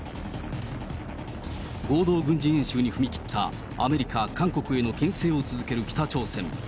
合同軍事演習に踏み切ったアメリカ、韓国へのけん制を続ける北朝鮮。